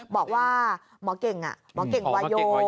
บอกว่าหมอเก่งหมอเก่งวาโย